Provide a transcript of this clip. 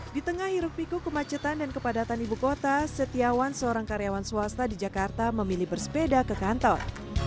di tengah hiruk piku kemacetan dan kepadatan ibu kota setiawan seorang karyawan swasta di jakarta memilih bersepeda ke kantor